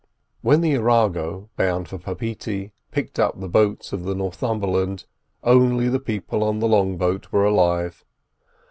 When the Arago, bound for Papetee, picked up the boats of the Northumberland, only the people in the long boat were alive.